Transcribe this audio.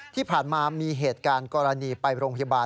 ที่ผ่านมามีเหตุการณ์กรณีไปโรงพยาบาล